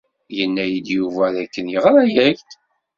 Yenna-iyi-d Yuba dakken yeɣra-ak-d.